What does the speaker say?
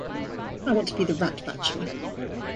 I want to be the rat bachelor.